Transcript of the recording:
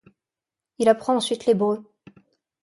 Il apprend ensuite l'hébreu.